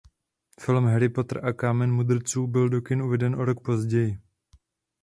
Film "Harry Potter a Kámen mudrců" byl do kin uveden o rok později.